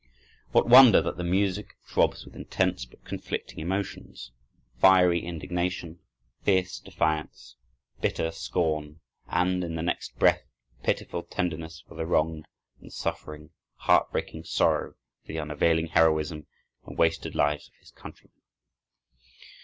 What wonder that the music throbs with intense but conflicting emotions—fiery indignation, fierce defiance, bitter scorn, and, in the next breath, pitiful tenderness for the wronged and the suffering, heart breaking sorrow for the unavailing heroism and wasted lives of his countrymen!